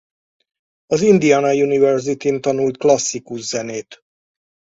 Az Indiana University-n tanult klasszikus zenét.